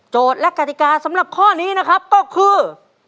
และกติกาสำหรับข้อนี้นะครับก็คือ